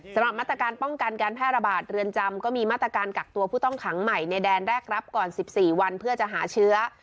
สำหรับมาตรการป้องกันการแพร่ระบาดเรือนจำก็มีมาตรการกักตัวผู้ต้องขังใหม่ในแดนแรกรับก่อน๑๔วันเพื่อจะหาเชื้อ